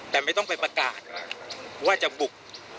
แต่ไม่ต้องไปประกาศว่าจะบุก